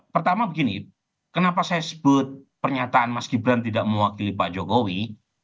pertama begini kenapa saya sebut pernyataan mas gibran tidak mewakili pak jokowi